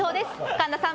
神田さん